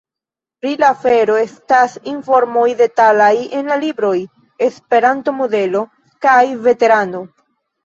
Pri la afero estas informoj detalaj en la libroj ‘’Esperanto Modelo’’ kaj ‘’Veterano?’’.